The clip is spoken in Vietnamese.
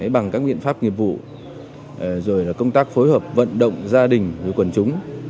bằng các biện pháp nghiệp vụ rồi công tác phối hợp vận động gia đình với quần chúng